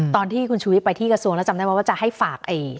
ตอนที่คุณชุวิตไปที่กระทรวงแล้วจำได้ไหมว่าจะให้ฝาก